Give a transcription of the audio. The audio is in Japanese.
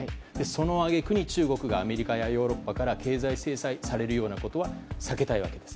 その揚げ句に中国がアメリカやヨーロッパから経済制裁をされるようなことは避けたいわけです。